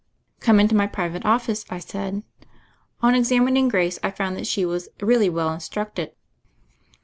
"Come into my private office," I said. On examining Grace I found that she was really well instructed.